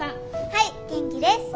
はい元気です。